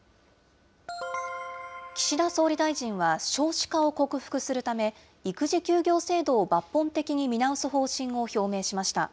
岸田総理大臣は少子化を克服するため、育児休業制度を抜本的に見直す方針を表明しました。